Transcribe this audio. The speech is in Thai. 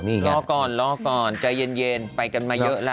รอก่อนรอก่อนใจเย็นไปกันมาเยอะแล้ว